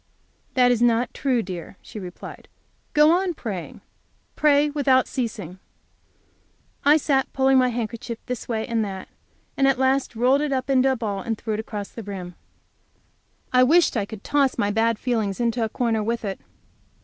"That is not true, dear," she replied; "go on praying pray without ceasing." I sat pulling my handkerchief this way and that, and at last rolled it up into a ball and threw it across the room. I wished I could toss my bad feelings into a corner with it.